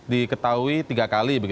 diketahui tiga kali